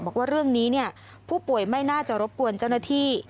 บอกว่าเรื่องนี้ผู้ป่วยไม่น่าจะรบกวนเจ้าหน้าที่